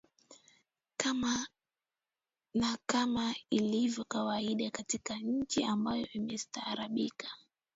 na kama ilivyo kawaida katika nchi ambayo imestarabika